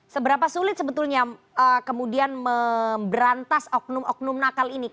seberapa sulit sebetulnya kemudian memberantas oknum oknum nakal ini